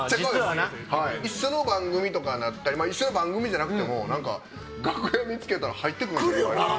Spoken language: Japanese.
一緒の番組とかになったり一緒の番組じゃなくても楽屋見つけたら入ってくるんですよね。